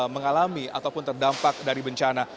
mengalami ataupun terdampak dari bencana